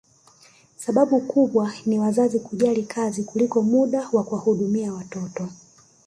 Sababu kubwa ni wazazi kujali kazi kuliko muda wa kuwahudumia watoto